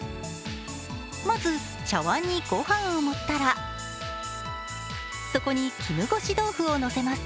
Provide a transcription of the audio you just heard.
まず、茶わんにご飯を盛ったらそこに絹ごし豆腐をのせます。